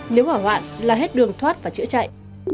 nếu hỏa hoạn là hết đường thoát và chữa cháy